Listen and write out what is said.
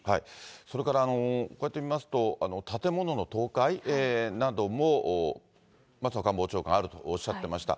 それからこうやって見ますと、建物の倒壊なども松野官房長官、あるとおっしゃってました。